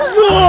aduh aduh aduh